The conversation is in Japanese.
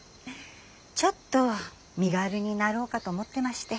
ちょっと身軽になろうかと思ってまして。